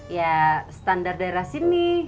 ya standar daerah sini